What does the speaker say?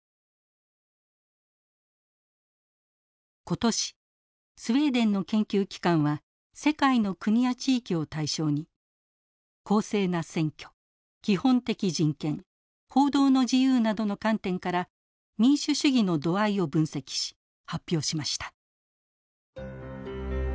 今年スウェーデンの研究機関は世界の国や地域を対象に公正な選挙基本的人権報道の自由などの観点から民主主義の度合いを分析し発表しました。